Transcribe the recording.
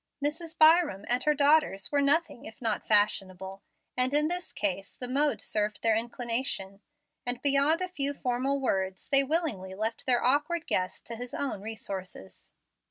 Mrs. Byram and her daughters were nothing if not fashionable, and in this case the mode served their inclination, and beyond a few formal words they willingly left their awkward guest to his own resources.